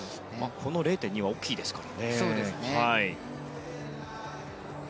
０．２は大きいですからね。